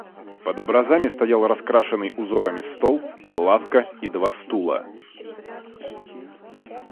Под образами стоял раскрашенный узорами стол, лавка и два стула.